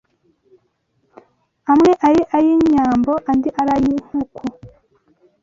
amwe ari ay’Inyambo andi ari ay’inkuku,